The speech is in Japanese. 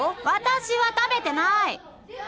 私は食べてない。